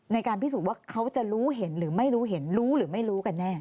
ในการพิสูจน์ว่าเขาจะรู้เห็นหรือไม่รู้เห็นรู้หรือไม่รู้กันแน่